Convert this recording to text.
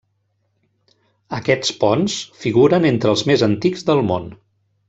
Aquests ponts figuren entre els més antics del món.